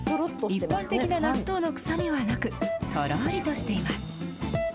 一般的な納豆の臭みはなく、とろりとしています。